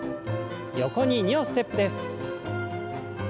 横に２歩ステップです。